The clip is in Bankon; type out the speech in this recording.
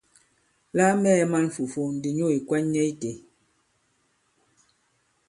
La a mɛɛ̄ man fùfu ndi nyu ì kwan nyɛ itē.